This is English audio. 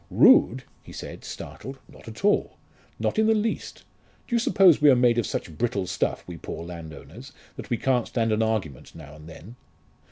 "Rude!" he said startled. "Not at all. Not in the least. Do you suppose we are made of such brittle stuff, we poor landowners, that we can't stand an argument now and then?"